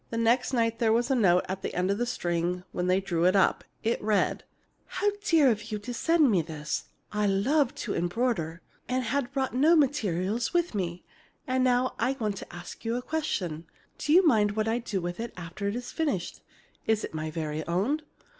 Next night there was a note on the end of the string when they drew it up. It read: How dear of you to send me this! I love to embroider, and had brought no materials with me. And now I want to ask you a question. Do you mind what I do with it after it is finished? Is it my very own?